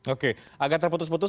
oke agak terputus putus